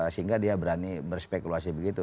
sehingga dia berani berspekulasi begitu